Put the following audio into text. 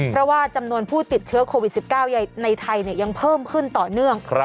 เพราะว่าจำนวนผู้ติดเชื้อโควิด๑๙ในไทยยังเพิ่มขึ้นต่อเนื่อง